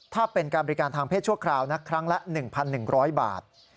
ถ้าเป็นการบริการทางเพศชั่วคราวนะครั้งละ๑๑๐๐บาท